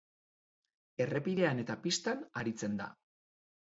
Errepidean eta pistan aritzen da.